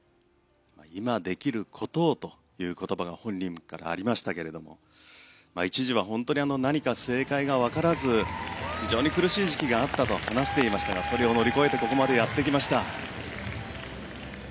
今できることをという言葉が本人からありましたが一時は本当に何が正解か分からず非常に苦しい時期があったと話していましたがそれを乗り越えてここまでやってきました。